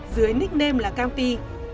dưới nickname là campy